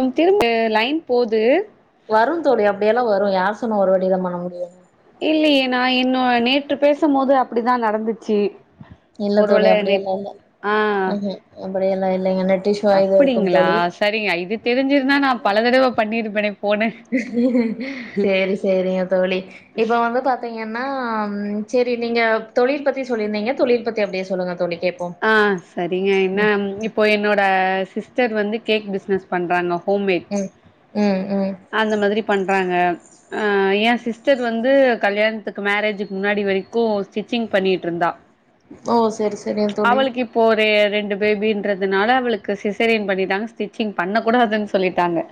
ம் திரும்ப லைன் போது வரும் தோழி அப்டியெல்லா வரும் யார் சொன்னா ஒரு வாட்டிதா பண்ண முடியு இல்லயே நா இன்னு நேத்து பேசும் போது அப்டிதா நடந்துச்சி இல்ல தோழி அப்டியெல்லா இல்ல ம் ம் அப்டியெல்லா இல்லைங்க நெட் இஸ்ஸுவா எதும் இருக்கு அப்டிங்களா தோழி சரிங்க இது தெரிஞ்சிருந்தா நா பல தடவ பண்ணியிருப்பேனே செரி செரிங்க தோழி இப்ப வந்து பா பாத்தீங்கன்னா ம் செரி நீங்க தொழில் பத்தி சொல்லியிருந்தீங்க தொழில் பத்தி அப்டியே சொல்லுங்க தோழி கேட்போம் ஆ சரிங்க என்ன இப்போ என்னோட சிஸ்டர் வந்து கேக் பிஸ்னஸ் பண்றாங்கோ ம் ம் ம் ஆ இந்த மாதிரி பண்றாங்க ஆ ஏன் சிஸ்டர் வந்து கல்யாணத்துக்கு மேரேஜுக்கு முன்னாடி வரைக்கு ஸ்டிச்சிங் பண்ணிட்டுருந்தா ஓ செரி அவளுக்கு இப் போதே ரெண்டு பேபின்றதுனால அவளுக்கு சிசேரியன் பண்ணிட்டாங்க ஸ்டிச்சிங் பண்ணக்கூடாதுன்னு சொல்லிட்டாங்க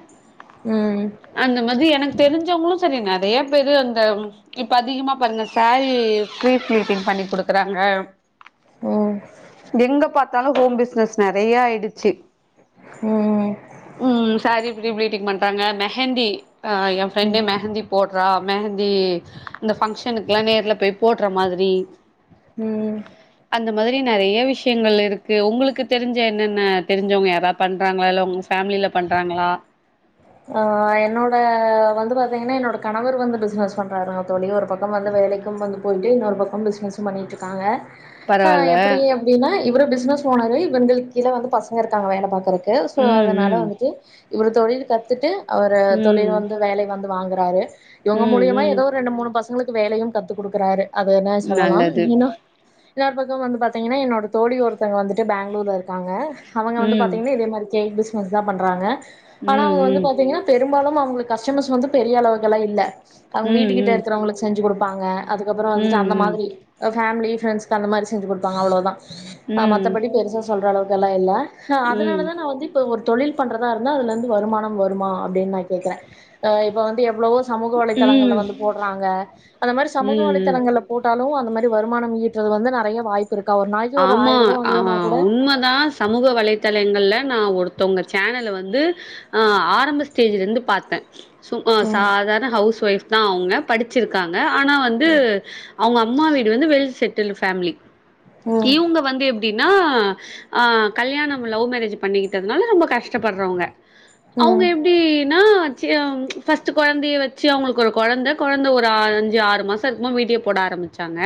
ம் அந்த மாதிரி எனக்கு தெரிஞ்சவங்களு சரி நறையா பேரு அந்த இப்ப அதிகமா பாருங்க சாரி ஃப்ரீ ப்ளீட்டிங் பண்ணி குடுக்குறாங்க ஓ எங்க பாத்தாலு ஹோம் பிஸ்னஸ் நெறையா ஆயிடுச்சி ம் உம் சேரி ஃப்ரீ ப்ளீட்டிங் பண்றாங்க மெஹந்தி ஆ என் ஃப்ரெண்டே ம் மெஹந்தி போடுறா மெஹந்தி இந்த ஃபங்க்ஷனுக்குலா நேர்ல போய் போடுற மாதிரி ம் இந்த மாதிரி நெறையா விஷ்யங்கள் இருக்கு உங்களுக்கு தெரிஞ்ச என்னென்ன தெரிஞ்சவங்க யாராப் பண்றாங்களா இல்ல உங் ஃபேமிலில பண்றாங்களா ஆ என்னோட வந்து பாத்தீங்கன்னா என்னோட கணவர் வந்து பிசினஸ் பண்றாருங்க தோழி ஒரு பக்கம் வந்து வேலைக்கும் வந்து போயிட்டு இன்னொரு பக்கம் பிசினஸும் பண்ணிட்டுருக்காங்க அ பரவால்ல எப்டியே அப் டினா இவரு பிசினஸ் ஓனரு இவனுங்களுக் கீழ வந்து பசங்க இருக்காங்க வேலபாக்கறதுக் கு சோ ம் அதனால ம் வந்துட்டு இவரு தொழில் கத்துட்டு அவரு ம் தொழில் வந்து வேலை வந்து வாங்குறாரு இவுங்க ம் மூலியமா ம் எதோ ஒரு ரெண்டு மூணு பசங் இவுங்களுக்கு வேலையு கத்து குடுக்குறாரு அது என்ன சொல்லலாம் நல்லது ஏன்னா இன்னோரு பக்கோ வந்து பாத்தீங்கன்னா என்னோட தோழி ஒருத்தங்க வந்துட்டு பேங்ளூர்ல இருக்காங்க அவுங்க வந்து ம் பாத்தீங்கன்னா இதே மாதிரி கேக் பிஸ்னஸ் தா பண்றாங்க ஆனா ம் அவுங்க வந்து ம் தீங்கன்னா பெரும்பாலும் அவுங்களுக்கு கஸ்டமர்ஸ் வந்து பெரிய அளவுக்கெல்லா இல்ல அவுங்க ம் வீட்டுக்கிட்ட ம் இருக்கிறவங்கள வச் செஞ்சு கொடுப்பாங்க அதுக்கப்பறோ ம் வந்துட்டு அந்த ம் மாதிரி ஃபேமிலி ஃப்ரெண்ட்ஸ்க்கு அந்த மாரி செஞ்சு கொடுப்பாங்க அவ்வளோதா ஆ ம் மத்தபடி பெருசா சொல்ற அளவுக்கல்லா இல்ல அ ம் அதனாலதா நா வந்து இப்ப ஒரு தொழில் பண்றதா இருந்தா அதுலருந்து வருமானம் வருமா அப்டின்னு நா கேக்கற அ இப்ப வந்து எவ்ளவோ சமூக வலைதளங்கள்ல ம் வந்து போடுறாங்க அந்த மாரி சமூக ம் ம் வலைதளங்கள்ல போட்டாலு அந்த மாரி வருமானோ ஈற்றது வந்து நறைய வாய்ப் ப்பு இருக்கா ஒரு நாய் ஆமா ஆ உண்மதா ஸ் சமூக வலைதளங்கள்ல் நா ஒருத்தவுங்க சேனல வந்து ஆ ஆரம்ப ஸ்டேஜ்லேருந்து பாத்தே சு அ ம் சாதாரண ஹவுஸ் ஒயஃப் தா அவுங்க படிச்சிருக்காங்க ஆனா வந்து அவுங்க அம்மா வீடு வந்து வெல் செட்டில்டு ஃபேமிலி இவுங்க ம் இவுங்க வந்து எப்டின்னா அ கல்யாணோ லவ் மேரேஜ் பண்ணிக்கிட்டதுனால ரொம்ப கஷ்டப்படுறவுங்க ம் அவுங்க எப் என்னாச்சி அவுங் ஃபஸ்ட் கொழந்தைய வச்சு அவுங்களுக்கு ஒரு கொழந்த கொழந்த ஒரு அஞ்சு ஆறு மாச இருக்குமோ வீடியோ போட ஆரம் பிச்சாங்க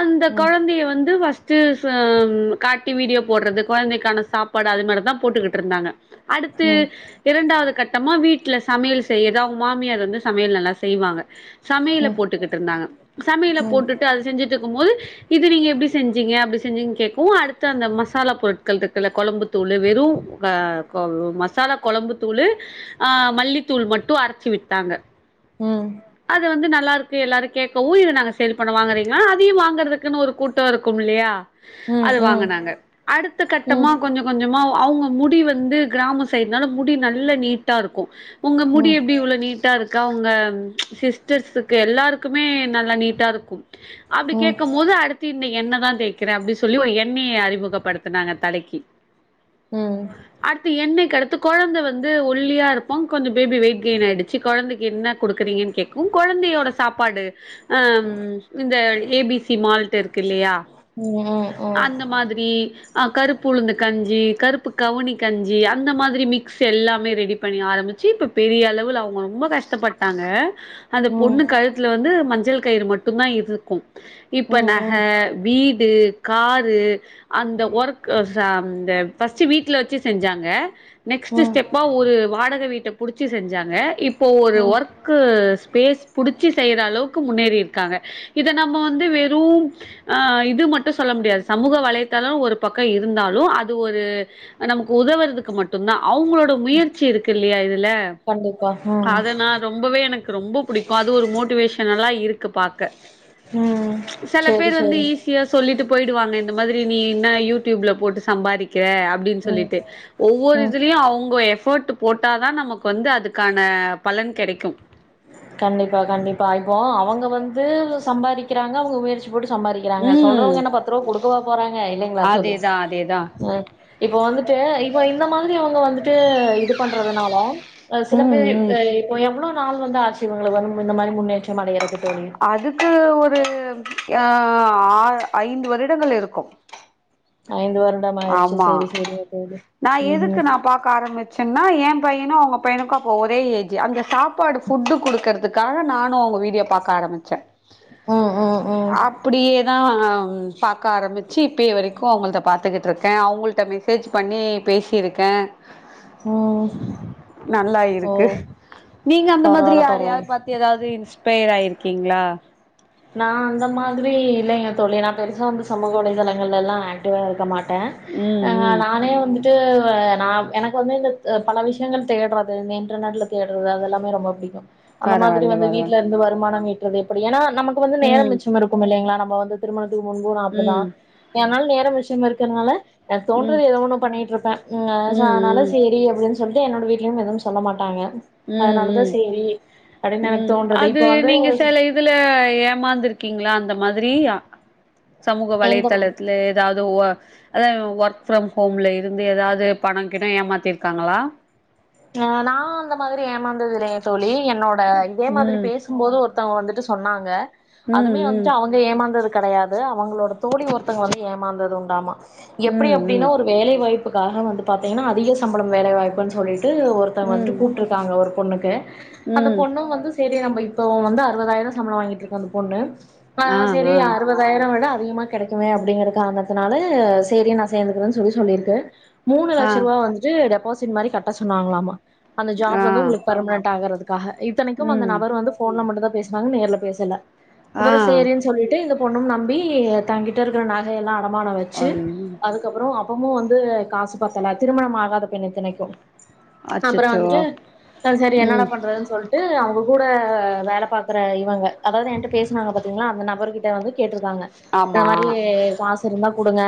அந்த ம் கொழந்தய வந்து வஸ் ஸ்டு ஸ் ம்ம் காட்டி வீடியோ போடுறது கொழந்தைக்கான சாப்பாடு அது மாரிதா போட்டுக்கிட்டுருந்தாங்க அடுத்து அடுத்து ம் இரண்டாவது கட்டமா வீட்டுல சமையல் செய்யர்து அவுங் மாமியார் வந்து சமையல் நல்லா செய்வாங்க ம் சமையல ம் போட்டுக்கிட்டு இருந்தாங்க சமையல போட்டுட்டு அது செஞ்சுட்டு இருக்குபோது இது நீங்க எப்டி செஞ் அப்டி செஞ்சீங் கேட்க்கவு அடுத்து அந்த மசாலா பொருட்கள் இருக்குல கொலம்புத்தூளு வெறும் க மசாலா கொலம்பு தூளு ஆ மல்லித்தூள் மட்டு அரைச்சு விட்டாங்க ம் அது வந்து நல்லாருக் எல்லாரு கேட்கவு இத நாங்க சேல் பண்றோ வாங்குறீங்களா அதையு வாங்கறதுக்குன்னு ஒரு கூட்டோ இருக்குமில்லையா ம் ம் ம் ம் ம் ம் ம் ம் ம் அது வாங்கனாங்க அடுத்த கட்டமா கொஞ்சொ கொஞ்சமா அவுங்க முடி வந்து கிராம சைடுனால முடி நல்ல நீட்டா இருக்கு உங்க முடி எப்டி இவ்ளோ நீட் நீட்டா இருக்கா அவுங்க சிஸ்டர்சுக்கு எல்லாருக்குமே நல்லா நீட்டா இருக்கு அப்டி கேக்குபோது அடுத்து இன்னைக் எண்ண தா தேக்கிறே அப்டி சொல்லி ஒரு எண்ணெய அறிமுகப்படுத்துனாங்க தலைக்கி அடுத்து எண்ணெக்கடுத்து கொழந்த வந்து ஒல்லியா இருப்பா கொஞ்சொ பேபி வெயிட் கெயின் ஆயிடுச்சு கொழந்தக்கி என்ன கொடுக்குறீங்கு கேக்கவு கொழந்தையோட சாப்பாடு இந்த ஏ பி சி மால்ட் இருக் க்கு இல்லையா அந்த மாதிரி கருப்பு உளுந்து கஞ்சி கருப்பு கவுனி கஞ்சி அந்த மாதிரி மிக்ஸ் எல்லாமே ரெடி பண்ணி ஆரம்பிச்சு இப்போ பெரிய அளவுல அவுங்க ரொம்ப கஷ்டப்பட்டு பட்டாங்க அந்த பொண்ணு கழுத்துல வந்து மஞ்சள் கயிறு மட்டுந் தா இருக்கு ம் இப்ப ந ம் வீடு காரு அந்த ஒர்க் அந்த பஸ்ட் வீட்ல வச்சு செஞ்சாங்க நெக்ஸ்ட் ம் ஸ்டெப்பா ஒரு வாடக வீட்ட புடுச்சு செஞ்சாங்க இப்போ ஒரு ம் ஒர்க்கு ஸ்பேஸ் புடுச்சு செய்ற அளவுக்கு முன்னேறி இருக்காங்க இத நம்ம வந்து வெறு ஆ இது மட்டு சொல்ல முடியாது சமூக வலைையத்தளொ ஒரு பக்க இருந்தாலு அது ஒரு நமக்கு உதவுறதுக்கு மட்டுந்தா அவுங்களோட முயற்சி இருக்கு இல்லையா இதுல [unintelligible] அத நா ரொம்பவே எனக்கு ரொம்ப புடிக்கு அது ஒரு மோட்டிவேஷனல்லா இருக்கு பாக்க ம் செரி செரி இத சொல்லிட்டு போயிடுவாங்க இந்த மாதிரி நீ இன்ன யூடியூப்ல போட்டு சம்பாதிக்கிற அப்டின்னு ம் சொல்லிட்டு ஒவ்வொரு ம் இதுலயு அவுங்க எபர்ட் போட் போட்டா தா நமக்கு வந்து அதுக்கான பலன் கெடைக்கு கண்டிப்பா கண்டிப்பா இப்போ அவுங்க வந்து சம்பாறிக்கிறாங்க அவுங்க முயற்சி போட்டு சம்பாறிக்கிறாங்க ம். சொல்றவங்க என்ன பத்துருவா குடுக்கவா போறாங்க இல்லைங்ளா தோழி அதேதான் அதேதான். இப்போ வந்துட்டு இப்ப இந்த மாதிரி அவுங்க வந்துட்டு இது பண்றதுனால அ சில பேர் ம், ம். இப்போ எவ்ளோ நாள் வந்து ஆச்சு இவங்கள வந்து இந்த மாரி முன்னேற்றம் அடையறக்கு தோழி அதுக்கு ஒரு அ ஆ ஐந்து வருடங்கள் இருக்கு ஐந்து வருடம் ஆய்ச்சு ஆமா செரி செரிங்க தோழி ம் ம் க ஆரம்பிச்சேனா எ பையனு அவுங்க பையனுக்கு அப்ப ஒரே ஏஜூ அந்த சாப்பாடு ஃபுட்டு குடுக்கறது க்காக நானு உங்க வீட்யோ பாக்க ஆரம்புச்சே ம் ம் ம் இப்டியே தா பாக்க ஆரம்பிச்சு இப்பய வரைக்கு அவுங்கள்த பாத்துகிட் ருக்கே அவுங்கள்ட மெசேஜ் பண்ணி பேசிருக்கே ம் நல்லா ஓ இருக்கு நீங்க அந்த மாதிரி பரவால்ல யாரயாது பரவால்ல பாத் து எதாது இன்ஸ்பெயர் ஆயிருக்கீங்ளா நா அந்த மாதிரி இல்லைங்க தோழி நா பெருசா வந்து சமூக வலைதளங்கள்ல எல்லா ஆக்டிவா இருக்க மாட் டே ம் அ ம் நானே வந்து ட்டு நா எனக்கு வந்து இந்த பல விஷயங்கள் தேட்றது இந்த இன்டர்நெட்ல தேட்றது அது எல்லாமே ரொம்ப புடிக்கு அந்த மாதிரி பரவால்ல வந்து வீட்ல பரவால்ல இருந்து வருமானம் ஈட்றது எப்டி ஏன்னா நமக்கு வந்து நேரொ ம் மிச்சம் இருக்கும் இல்லைங்ளா நம்ம வந்து திருமணத்துக்கு முன்பு நா அப்டிதா ம் எனால நேரொ மிச்சம் இருக்கிறனால எனக்கு ம் தோன்றது எதோ ஒன்னு பண்ணிட்டு இருப்பே ம் அதனால ம் சேரி அப்டின் சொல்ட்டு என்னோட வீ்ட்லயு எதுவு சொல்ல மாட்டாங்க ம் அதனாலதா ம் சேரி அப்டின்னு எனக்கு ம் தோன்றது அது இப்ப வந்து நீங்க சில இதுல ஏமாந்துருக்கீங்ளா அந்த மாதிரி சமூக வலை எந்த தளத்துல எதாவது ஒ அத ஒர்க் ஃப்ரம் ஹோம்ல இருந்து எதாது பணொ கிணொ ஏமாத்திருக்காங்ளா நா அந்த மாதிரி ஏமாந்ததில்லங் தோழி என்னோட இதே மாதிரி பேசு ம் போது ஒருத்தவங்க வந்துட்டு சொன்னாங்க அதுமே ம் வந்துட்டு ம் அவுங் க ஏமாந்தது கெடையாது. அவங்களோட தோழி ஒருத்தங்க வந்து ஏமாந்தது உண்டாமா எப்டி அப்டின்னா ம் ஒரு வேலைவாய்ப்புக்காக வந்து பாத்தீங்கன்னா அதிக சம்பள வேலைவாய்ப்புன் சொல்லிட்டு ஒரு த்தவுங்க ம் வந்து ம் கூப்ட்டுருக்காங்க ஒரு பொண்ணுக்கு அந்த ம் பொண்ணும் வந்து சேரி நம்ம இப்ப வந்து அறுவதாயிர சம்பள வாங்கிட்டு இருக்கும் அந்த பொண்ணு ஆ சேரி ஆ அறுவதா யிரம் விட அதிகமா கெடைக்குமே அப்படிங்கற காரணத்துனால சேரி நா சேந்துக்கறென் சொல்லி சொல்லிருக்கு மூனு ஆ லட்ச ரூவா வந்துட்டு டெபாசிட் மாரி கட்ட சொன்னாங்களாமா அந்த ஆ ஜாப் வந்து உங்களுக்கு பர்மனன்ட் ஆகறதுக் காக இத்தனைக்கும் அந்த ம் நபர் வந்து போன்ல மட்டுந்தா பேசுனாங்க நேர்ல பேசல ஆ அப்புற சேரின் சொல்லிட்டு இந்த பொன்னும் நம்பி தங்கிட்டு இருக்கிற நகை எல்லா அடமானம் வச்சு ஐயோ அது க்கப்புறம் அப்பமும் வந்து காசு பத்தல. திருமணம் ஆகாத பெண்ணு இத்தனைக்கு அப்புற அச்சச்சோ வந்துட்டு சரி சரி என்னடா ம் பண்றதுன் சொல் ட்டு அவங்க கூட வேல பாக்கிற இவங்க அதாவது ஏன்ட்ட பேசுனாங்க பாத்தீங்களா, அந்த நபர் கிட்ட வந்து கேட்ருக்காங்க இந்த ஆமா மாரி காஸ் இருந்தா குடுங்க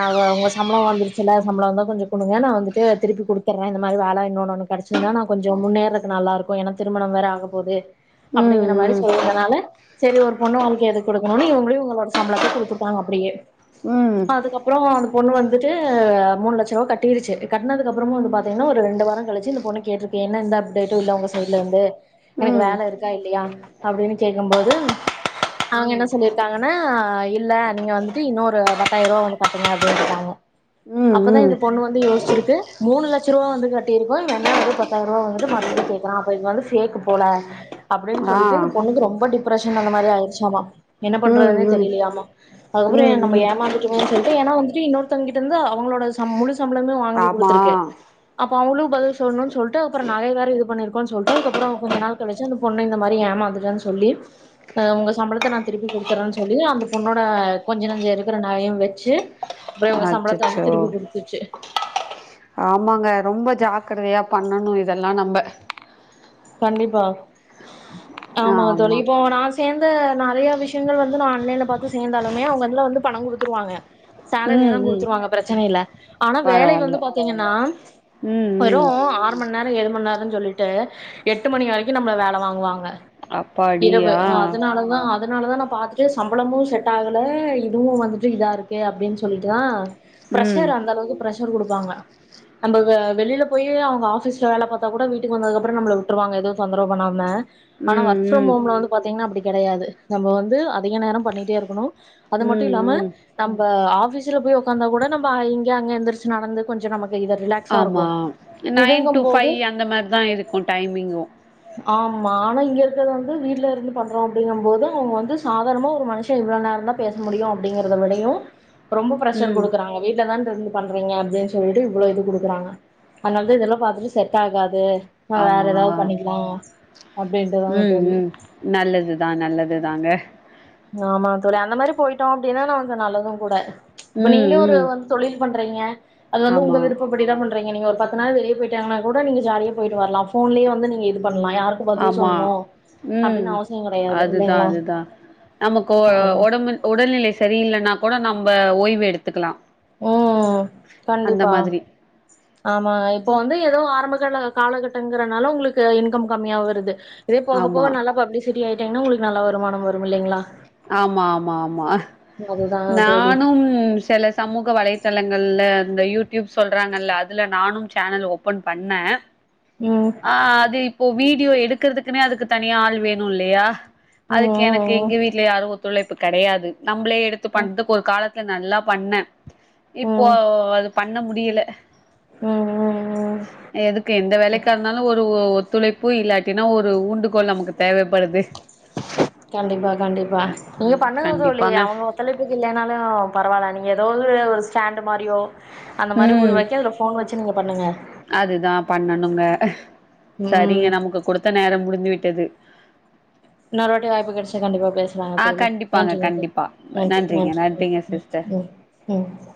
நாங்க உங்க சம்பள வந்துருச்சுல்ல சம்பள வந்தா கொஞ்ச குடுங்க நா வந்துட்டு திருப்பி குடுத் திர்றே. இந்த மாரி வேல இன்னொன்னு ஒன்னு கிடச்சதுன்னா நா கொஞ்ச முன்னேறது நல்லா இருக்கும். ஏன்னா திருமணம் வேற ஆக போது. அப்டிங்கற மாரி ம் ம் சொல்லி இருந்தனால செரி ஒரு பொண்ணு வாழ்க்கை எதுக் கொடுக்கணுனு இவங்களு இவங்களோட சம்பளத்த குடுத்துருப்பாங்க அப்டியே. ம் அதுக்கப் றோ அந்த பொண்ணு வந்துட்டு மூனு லட்ச ரூபா கட்டிருடுச்சு. கட்னதுக்கு அப்புறமு வந்து பாத் தீனா ஒரு ரெண்டு வாரொ கழிச்சுஸஇந்த பொண்ணு கேட்ருக்கு என்ன எந்த அப்டேட்டு இல்ல உங்க சைட்ல இருந்து எனக்கு ம் வேல இருக்கா, இல்லையா அப்படின் கேக்கும்போது அவங்க ம் என்ன சொல்லியிருக்காங்கன்னா, இல்ல நீங்க வந்துட்டு இன்னோரு பத்தாயிர ரூபா வந்து கட்டுங்க அப்டின்ருக்காங்களா ம் அப்பதா ம் இந்த பொண்ணு வந்து யோச்ருக்கு மூணு லட் ச ரூபா வந்து கட்டிருக்கோ இவன் என்னா வெறு பத்தாய்ரோ ரூவா வந்து மறுபடியு கேக்றா அப்ப இவே வந்து ஃபேக்கு போல அப்டின் ஆ சொல்லிட்டு இந்த பொண்ணுக்கு ரொம்ப டிப்ரெஷன் அந்த மாரி ஆயிடுச்சாமா என்ன ம் பண்றதுன்னே ம் தெரிலயாமா அதுக்கப்றோ ம் நம்ம ம் ஏமாந்துட்டுமேன்னு சொல்ட்டு ஏன்னா வந்துட்டு இன்னொருத்தங்கிட்ட இருந்து அவுங்களோட சம் முழு சம்பளமே வாங்கி ஆமா குடுத்துருக்கு அப்ப அவுங்ளுக் பதில் சொல்னு சொல்ட்டு அப்றோ நகை வேற இது பண்ணிருக்கோன் சொல்ட்டு அதுக்கப்றோ கொஞ்ச நாள் கழு ச்சு அந்த பொண்ணு இந்த மாரி ஏமாந்துட்டானு சொல்லி அ ஒங்க சம்பளத்த நா திருப்பி குடுத்துறேன்னு சொல்லி, அந்த பொண்ணோட கொஞ்ச நஞ்ச இருக்கிற நகையு வச்சு அப்றோ இவுங்க சம்பளத்த வந்து அச்சச்சோ திருப்பி குடுத்துச்சு. ஆமாங்க ரொம்ப ஜாக்கிரதயா பண்ணணு இதெல்லா நம்ப கண்டிப்பா ஆமா தோழி இப்போ நா சேந்த நறைய விஷயங்கள் வந்து நா ஆன்லைன்ல பாத்து சேந்தாலுமே அவுங்க இதுல வந்து பணம் குடுத்துருவாங்க சேலரி ம் எல்லா ம் குடுத்துருவாங்க பிரச்சன இல்ல ஆனா வேலை பரவால்ல வந்து பாத்தீங்கன்னா ம் வரு ம் ஆ ஒரு மண் நேரோ ஏழு மண் நேரோனு சொல்லிட்டு எட்டு மணி வரைக்கு நம்மள வேல வாங்குவாங்க இரவு அப்பாடியா அதனாலதா அதனால தா நா பாத்துட்டு சம்பளமு செட் ஆகல இதுவு வந்துட்டு இதா இருக்கு அப்டின் சொல்லிட்டு தா ம் பிரஷர் அந்த அளவுக்கு பிரஷ ர் இது கொடுப்பாங்க நம்ப வெளில போய் அவுங்க ஆபீஸ்ல வேலை பாத்தா கூட வீட்டுக்கு வந்ததுக்கு அப்றோ நம்பல விட்ருவாங்க எதுவு தொந்தரவு பண்ணாம ஆனா ம் ஒர்க் ஃப்ரம் ம் ஹோம்ல வந்து பாத்தீங்ன்னா அப்டி கெடயாது நம்ம வந்து அதிக நேரம் பண்ணிட்டே இருக்கணு அது மட்டு ம் இல்லாம ம் நம்ப ஆஃபீஸ்ல போய் ஒக்காந்தா கூட நம்ப இங்க அங்க எந்திருச்சு நடந்து கொஞ்சோ நமக்கு இத ரிலாக் ஆமா நைன் டு ஃபைவ் அந்த மார் தா இருக்கு டைமிங்கு ஆமா ஆனா இங்க இருக்கறது வந்து வீட்ல இருந்து பண்றோ அப்டிங்க போது அவுங்க வந்து சாதாரணமா ஒரு மனுஷே இவ்ளோ நேரோ தா பேச முடியு அப்டிங்கறத விடையு ரொம்ப பிரஷர் ம் குடுக்குறாங்க. வீட்ல தான்ருந்து பண்றீங்க அப்டின் சொல்ட்டு இவ்ளோ இது குடுக்குறாங்க அனால்தா இதெல்லா பாத்துட்டு செட் ஆகாது வேற ஆமா ஏதாவது பண்ணிக்லா அப்டின்றது தா ம் தோழி ம் நல்லதுதா நல்லதுதாங்க ஆமா தோழி அந்த மாரி போயிட்டோ அப்டின்னா நமக்கு நல்லது கூட இப்ப ம் நீங்ளே ஒரு ம் வந் தொழில் பண்றீங்க அது வந்து உங்க ஆமா, விருப்ப டிதா பண்றீங்க நீங்க ஒரு பத்து நாள் வெளிய போய்ட்டாங்கனா கூட நீங்க ஜாலிய போய்ட்டு வர்லா ஃபோன்லயே வந்து நீங்க இது பண்லா யாருக் ஆமா ம் கெடையாது அதுதா இல்லைங்களா அதுதா நமக்கு அதா ஒடம்பு உடல்நிலை சரியில்லன்னா கூட நம்ப ஓய்வு எடுத்துக்லா ஓ கண்டிப்பா ஆமா இப்போ வந்து ஏதோ ஆரம்ப கால காலகட்டங்றனால உங்ளுக்கு இன்கம் கம்மியா வருது இதே போக ஆமா. போக நல்ல பப்ளிசிட்டி ஆயிட்டீங்ன்னா உங்ளுக்கு நல்ல வருமானோ வரு இல்லைங்ளா ஆமா ஆமா ஆமா தோழி நானும் செல சமூக வலைதளங்கள்ல இந்த யூடியூப் சொல்றாங்கல அதுல நானும் சேனல் ஓப்பன் பண்ணே ம் ஆ அது இப்போ வீடியோ எடுக்றதுக்குனே அதுக்கு தனியா ஆள் வேணு இல்லையா ம் அதுக்கு எனக் ம் எங்க வீட்ல யாரு ஒத்துழைப்பு கெடயாது நம்மளே எடுத்து ம் பண்றதுக்கு ஒரு காலத்துல நல்லா பண்ணே ம் இப்போ ம் அது பண்ண முடியல ம் ம் எதுக்கு எந்த வேலைக்கா இருந்தாலு ஒரு ஒத்துழைப் பு இல்லாட்டினா ஒரு ஊண்டுகோல் நமக்கு தேவைப்படுது கண்டிப்பா கண்டிப்பா நீங்க ம் பண்ணுங்க தோழி கண்டிப்பாங்க அவங்க தலைப்புக்கு இல்லனாலு பரவால்ல நீங்க எதாவது ஒரு ஸ்டாண்டு் மாரியோ அந்த மாரி ம் உருவாக்கி அதுல ஃபோன் வச்சு நீங்க பண்ணுங்க அதுதா பண்ணணுங்க சரிங்க ம் நமக்கு குடுத்த நேர முடிந்து விட்டது இன்னொருவாட்டி வாய்ப்பு கெடச்சா கண்டிப்பா பேச ங்க ஆ தோழி கண்டிப்பாங்க நன்றிங்க தோழி கண்டிப்பா நன்றி நன்றிங்க நன்றி நன்றிங்க நன்றி சிஸ்டர் ம் ம் ம்